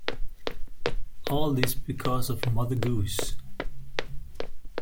All this because of Mother Goose.